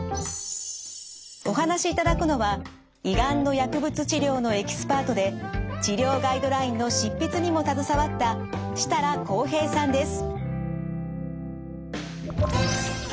お話しいただくのは胃がんの薬物治療のエキスパートで治療ガイドラインの執筆にも携わった設樂紘平さんです。